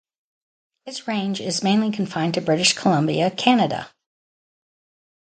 Its range is mainly confined to British Columbia, Canada.